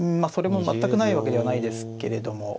あそれも全くないわけではないですけれども。